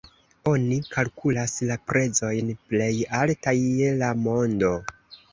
Oni kalkulas la prezojn plej altaj je la mondo.